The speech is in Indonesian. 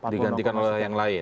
digantikan oleh orang lain